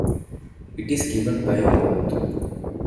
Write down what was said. It is given by mouth.